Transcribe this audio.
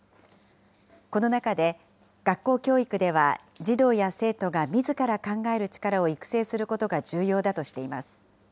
この中で、学校教育では、児童や生徒がみずから考える力を育成することが重要だとしています。